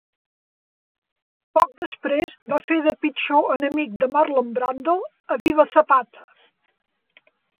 Poc després, va fer de pitjor enemic de Marlon Brando a "Viva Zapata!".